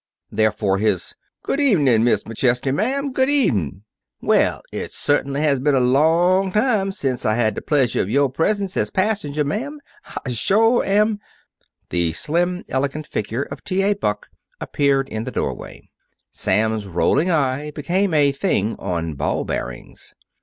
Therefore his, "Good evenin', Mis' McChesney, ma'am. Good even'! Well, it suh't'nly has been a long time sense Ah had the pleasuh of yoh presence as passengah, ma'am. Ah sure am " The slim, elegant figure of T. A. Buck appeared in the doorway. Sam's rolling eye became a thing on ball bearings.